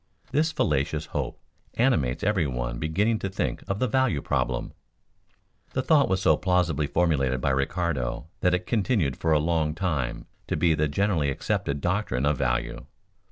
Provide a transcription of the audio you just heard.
This fallacious hope animates every one beginning to think of the value problem. The thought was so plausibly formulated by Ricardo that it continued for a long time to be the generally accepted doctrine of value.